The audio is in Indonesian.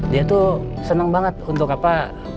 dia tuh senang banget untuk apa